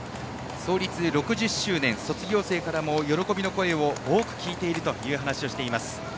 創立６０周年卒業生からも喜びの声を多く聞いているという話をしています。